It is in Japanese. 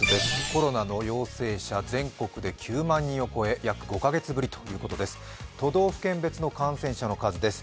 コロナの陽性者、全国で９万人を超え約５カ月ぶりということです。